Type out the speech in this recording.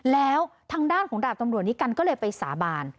แล้วทางด้านของดาบตำรวจนิกัลก็เลยไปสาบาน